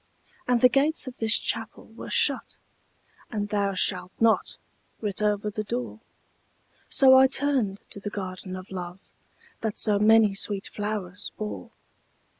And the gates of this Chapel were shut, And 'Thou shalt not' writ over the door; So I turned to the Garden of Love That so many sweet flowers bore.